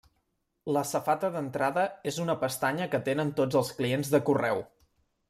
La safata d'entrada és una pestanya que tenen tots els clients de correu.